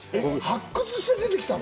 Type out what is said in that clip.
発掘して出てきたの？